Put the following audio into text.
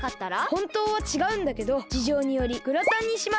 ホントはちがうんだけどじじょうによりグラタンにします。